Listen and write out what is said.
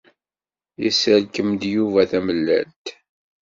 Yesserkem-d Yuba tamellalt.